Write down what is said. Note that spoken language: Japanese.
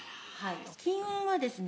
金運はですね